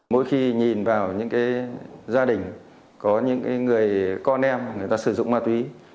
mỗi khi nhìn vào những gia đình có những người con em người ta sử dụng ma túy